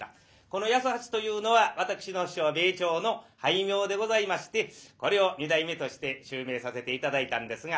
この八十八というのは私の師匠米朝の俳名でございましてこれを二代目として襲名させて頂いたんですが。